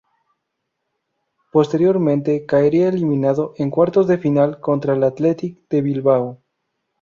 Posteriormente caería eliminado en Cuartos de Final contra el Athletic de Bilbao.